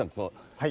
はい。